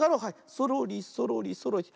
そろりそろりそろりって。